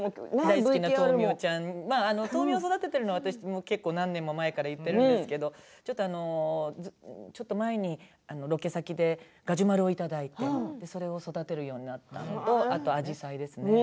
豆苗を育てているの私は何年も前から言ってるんですけどちょっと前にロケ先でガジュマルをいただいてそれを育てるようになったのとあとアジサイですね。